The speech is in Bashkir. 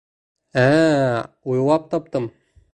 Ә-ә-ә, уйлап таптым.